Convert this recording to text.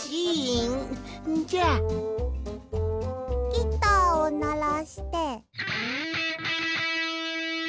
ギターをならして。